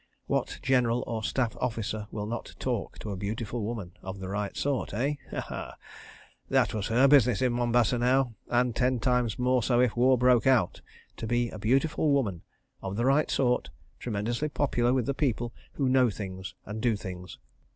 What General or Staff Officer will not "talk" to a beautiful woman—of the right sort? Eh? Ha Ha! That was her business in Mombasa now—and ten times more so if war broke out—to be a beautiful woman—of the right sort, tremendously popular with the people who know things and do things.